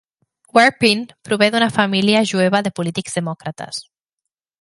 Weprin prové d'una família jueva de polítics demòcrates.